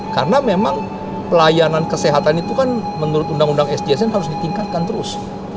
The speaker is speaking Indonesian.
karena memang pelayanan kesehatan itu kan menurut undang undang sjs ini harus ditingkatkan terus